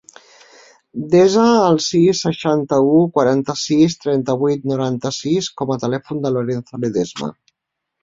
Desa el sis, seixanta-u, quaranta-sis, trenta-vuit, noranta-sis com a telèfon del Lorenzo Ledesma.